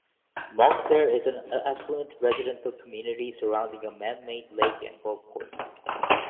Montclair is an affluent residential community surrounding a man-made lake and golf course.